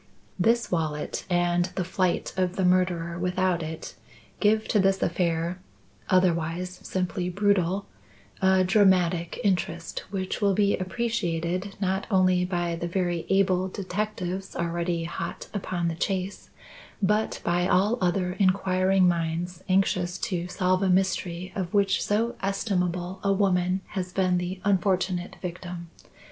"This wallet, and the flight of the murderer without it, give to this affair, otherwise simply brutal, a dramatic interest which will be appreciated not only by the very able detectives already hot upon the chase, but by all other inquiring minds anxious to solve a mystery of which so estimable a woman has been the unfortunate victim.